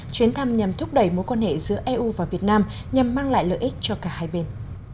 chuyến thăm nhằm thúc đẩy mối quan hệ giữa eu và việt nam nhằm mang lại lợi ích cho cả hai bên